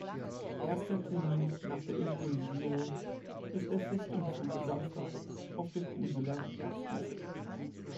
Erster Termin nach der Inthronisierung, ist der Festumzug samstags auf der Kuseler Herbstmesse.